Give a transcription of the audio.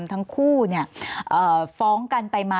ทั้งคู่เนี่ยฟ้องกันไปมา